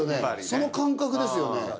その感覚ですよね。